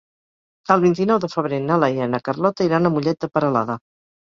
El vint-i-nou de febrer na Laia i na Carlota iran a Mollet de Peralada.